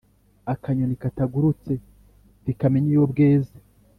Akanyoni katagurutse ntikamenya iyo bweze.